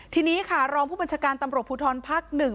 ทีนี้ค่ะรองผู้บัญชาการตำรวจภูทรภักดิ์๑